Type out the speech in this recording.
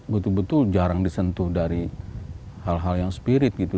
betul betul jarang disentuh dari hal hal yang spirit gitu